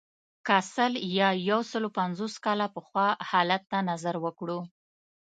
که سل یا یو سلو پنځوس کاله پخوا حالت ته نظر وکړو.